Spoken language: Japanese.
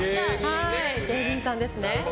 芸人さんですね。